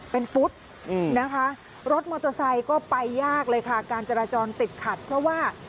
เป็นฟุตนะคะรถมอเตอร์ไซค์ก็ไปยากเลยค่ะการจราจรติดขัดเพราะว่า